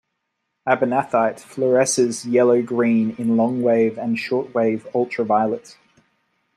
Abernathyite fluoresces yellow-green in longwave and shortwave ultraviolet.